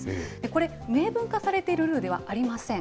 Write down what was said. これ、明文化されているルールではありません。